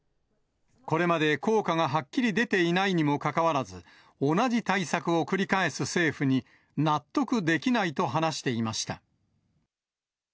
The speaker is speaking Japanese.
これまで効果がはっきり出ていないにもかかわらず、同じ対策を繰り返す政府に、納得できないと話していました。